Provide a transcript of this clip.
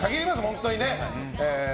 本当にね。